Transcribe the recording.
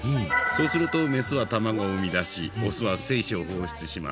そうするとメスは卵を産みだしオスは精子を放出します。